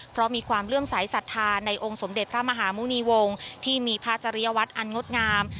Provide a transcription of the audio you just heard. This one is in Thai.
เพราะมีความเลื่อมสายศรัทธาในองค์สมเด็จพระมหามุณีวงศ์ที่มีพระจริยวัตรอันงดงาม